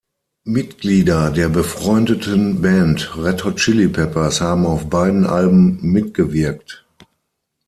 Mitglieder der befreundeten Band Red Hot Chili Peppers haben auf beiden Alben mitgewirkt.